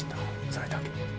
それだけ。